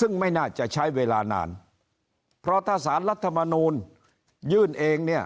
ซึ่งไม่น่าจะใช้เวลานานเพราะถ้าสารรัฐมนูลยื่นเองเนี่ย